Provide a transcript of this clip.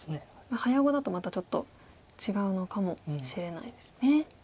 早碁だとまたちょっと違うのかもしれないですね。